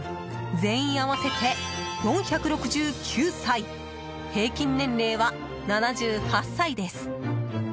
全員合わせて４６９歳平均年齢は７８歳です。